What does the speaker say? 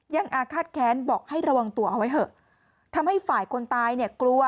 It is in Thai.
อาฆาตแค้นบอกให้ระวังตัวเอาไว้เถอะทำให้ฝ่ายคนตายเนี่ยกลัว